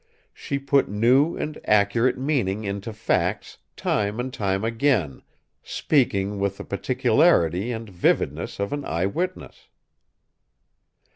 She put new and accurate meaning into facts time and time again, speaking with the particularity and vividness of an eye witness.